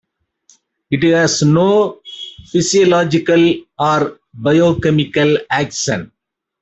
It has no physiological or biochemical action.